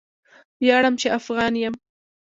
ویاړم چې افغان یم!